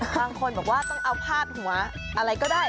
บางคนบอกว่าต้องเอาพาดหัวอะไรก็ได้